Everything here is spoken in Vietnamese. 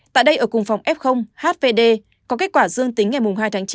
tại đây ở cùng phòng f hvd có kết quả dương tính ngày hai tháng chín